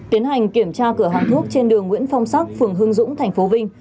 tiến hành kiểm tra cửa hàng thuốc trên đường nguyễn phong sắc phường hương dũng tp vinh